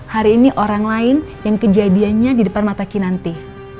hari ini orang lain yang kejadiannya di depan mata ki nanti